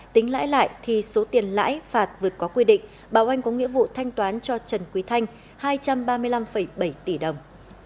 tính lãi lại thì số tiền lãi phạt vượt có quy định báo oanh có nghĩa vụ thanh toán cho trần quý thanh hai trăm ba mươi năm bảy tỷ đồng